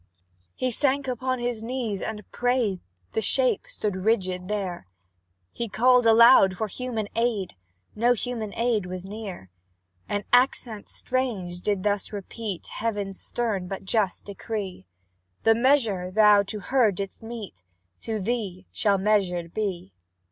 He sank upon his knees and prayed The shape stood rigid there; He called aloud for human aid, No human aid was near. An accent strange did thus repeat Heaven's stern but just decree: "The measure thou to her didst mete, To thee shall measured be!"